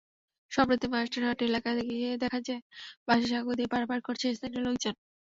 সম্প্রতি মাস্টারহাট এলাকায় গিয়ে দেখা যায়, বাঁশের সাঁকো দিয়ে পারাপার করছে স্থানীয় লোকজন।